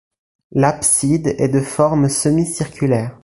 L'abside est de forme semi-circulaire.